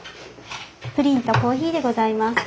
プリンとコーヒーでございます。